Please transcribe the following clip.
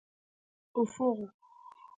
افغ